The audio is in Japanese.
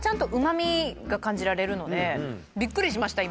びっくりしました今。